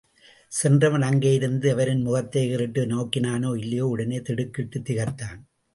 சென்றவன் அங்கே இருந்த வரின் முகத்தை ஏறிட்டு நோக்கினானோ இல்லையோ, உடனே திடுக்கிட்டான் திகைத்தான்!